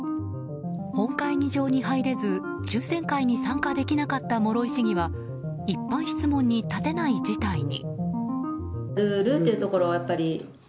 本会議場に入れず抽選会に参加できなかった諸井市議は一般質問に立てない事態に。